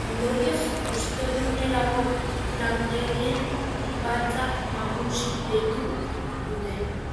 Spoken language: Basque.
Ondorioz, ostegunerako langileen batzar nagusia deitu dute.